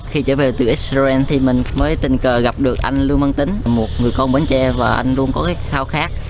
khi trở về từ israel thì mình mới tình cờ gặp được anh lưu minh tín một người con bến tre và anh luôn có cái khao khát